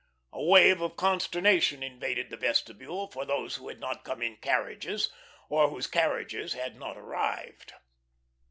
A wave of consternation invaded the vestibule for those who had not come in carriages, or whose carriages had not arrived.